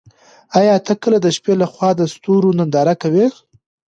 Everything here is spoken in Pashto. ایا ته کله د شپې له خوا د ستورو ننداره کوې؟